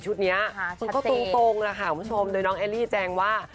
ชุดนี้มันก็ตรงนะคะคุณผู้ชมโดยน้องแอลลี่แจ้งว่า